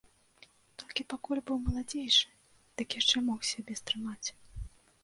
Толькі пакуль быў маладзейшы, дык яшчэ мог сябе стрымаць.